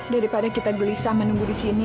daripada kita gelisah menunggu di sini